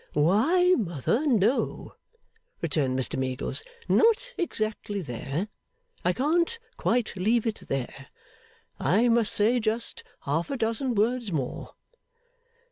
'Why, mother, no,' returned Mr Meagles, 'not exactly there. I can't quite leave it there; I must say just half a dozen words more.